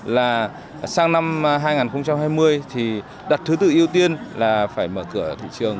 là sang năm hai nghìn hai mươi thì đặt thứ tự ưu tiên là phải mở cửa thị trường